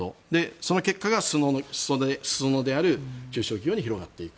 その結果が裾野である中小企業に広がっていく。